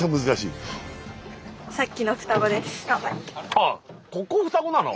あっここ双子なの？